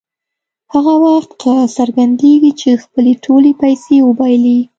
هغه وخت ښه څرګندېږي چې خپلې ټولې پیسې وبایلي.